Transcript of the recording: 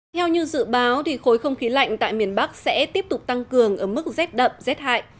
theo như dự báo khối không khí lạnh tại miền bắc sẽ tiếp tục tăng cường ở mức rét đậm rét hại